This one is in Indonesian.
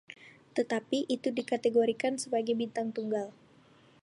Tetapi, itu dikategorikan sebagai bintang tunggal.